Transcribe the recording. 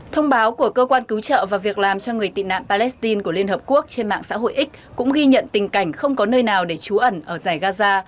thông báo của cơ quan cứu trợ và việc làm cho người tị nạn palestine của liên hợp quốc trên mạng xã hội x cũng ghi nhận tình cảnh không có nơi nào để trú ẩn ở giải gaza